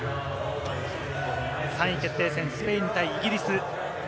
３位決定戦、スペイン対イギリス。